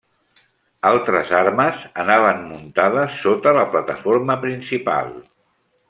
Altres armes anaven muntades sota la plataforma principal.